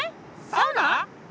サウナ！？